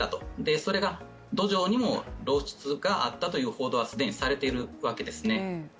それが土壌にも漏出があったという報道が既にされているわけですね。